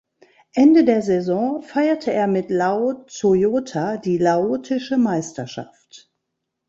Ende der Saison feierte er mit Lao Toyota die laotische Meisterschaft.